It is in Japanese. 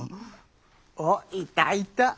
おっいたいた！